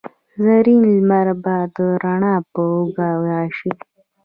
زرین لمر به د روڼا په اوږو راشي